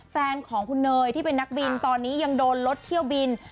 แฟนของคุณเนยที่เป็นนักบินตอนนี้ยังโดนลดเที่ยวบิน